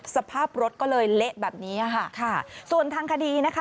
สภาพรถก็เลยเละแบบนี้ค่ะค่ะส่วนทางคดีนะคะ